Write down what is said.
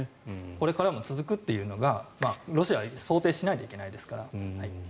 これからも続くというのはロシアも想定しないといけないですから。